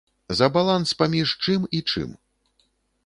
За баланс паміж чым і чым?